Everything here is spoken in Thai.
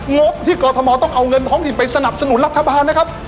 งบที่กรทมต้องเอาเงินท้องถิ่นไปสนับสนุนรัฐบาลนะครับ